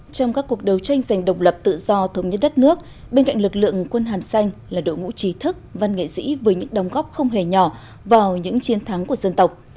trong các cuộc đấu tranh dành độc lập tự do thống nhất đất nước bên cạnh lực lượng quân hàm xanh là đội ngũ trí thức văn nghệ sĩ với những đồng góp không hề nhỏ vào những chiến thắng của dân tộc